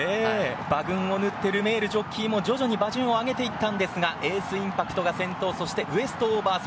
馬群をぬってルメールジョッキーも徐々に馬順を上げていったんですがエースインパクトが先頭。